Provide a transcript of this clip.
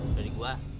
udah di gua